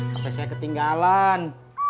hp saya ketinggalan